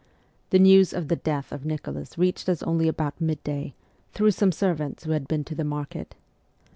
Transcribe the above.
The news of the death of Nicholas reached us only about midday, through some servants who had been to the market.